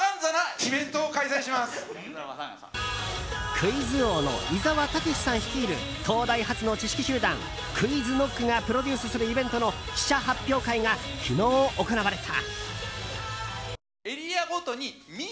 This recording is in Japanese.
クイズ王の伊沢拓司さん率いる東大発の知識集団ＱｕｉｚＫｎｏｃｋがプロデュースするイベントの記者発表会が昨日行われた。